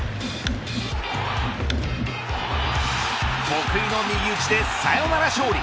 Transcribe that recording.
得意の右打ちでサヨナラ勝利。